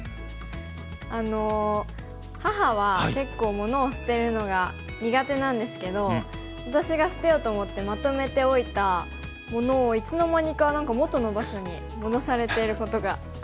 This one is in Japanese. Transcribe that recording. あの母は結構物を捨てるのが苦手なんですけど私が捨てようと思ってまとめておいた物をいつの間にか何か元の場所に戻されてることがあります。